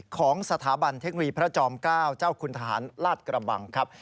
ของสถาบันเทคนีย์พระจอมเก้าเจ้าคุณฐานราชกระบังครับ